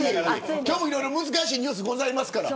今日も、いろいろ難しいニュースございますから。